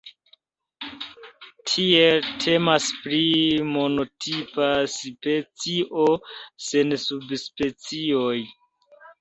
Tiele temas pri monotipa specio, sen subspecioj.